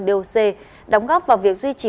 điều c đóng góp vào việc duy trì